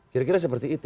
kira kira seperti itu